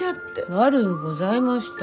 悪うございました。